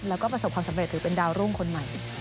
แล้วก็ประสบความสำเร็จถือเป็นดาวรุ่งคนใหม่